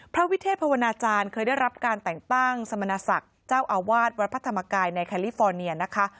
วิเทศภาวนาจารย์เคยได้รับการแต่งตั้งสมณศักดิ์เจ้าอาวาสวัดพระธรรมกายในแคลิฟอร์เนียนะคะ